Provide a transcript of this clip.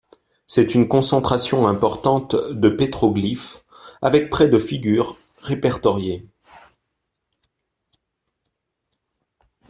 C'est une concentration importante de pétroglyphes avec près de figures répertoriées.